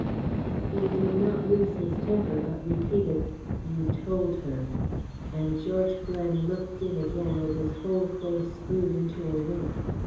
He did not lose his temper, but repeated: "You told her," and George Glen looked in again with his whole face screwed into a wink.